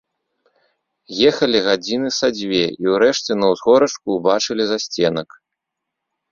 Ехалі гадзіны са дзве, і ўрэшце на ўзгорачку ўбачылі засценак.